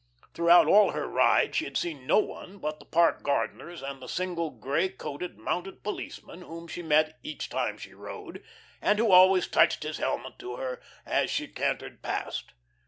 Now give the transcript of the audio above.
Throughout all her ride she had seen no one but the park gardeners and the single grey coated, mounted policeman whom she met each time she rode, and who always touched his helmet to her as she cantered past.